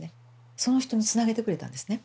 その人につなげてくれたんですね。